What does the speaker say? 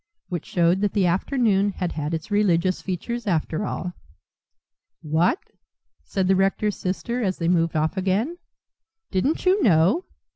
which showed that the afternoon had had its religious features after all. "What!" said the rector's sister, as they moved off again, "didn't you know?